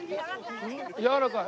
やわらかい。